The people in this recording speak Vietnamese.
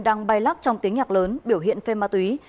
đang bay lắc trong tiếng nhạc lớn biểu hiện phê ma túy